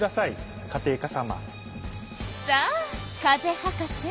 さあ風博士